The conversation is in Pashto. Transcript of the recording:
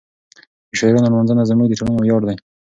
د شاعرانو لمانځنه زموږ د ټولنې ویاړ دی.